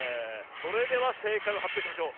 それではせいかいをはっぴょうしましょう。